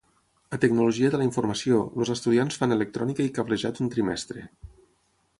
A Tecnologia de la informació, els estudiants fan electrònica i cablejat un trimestre.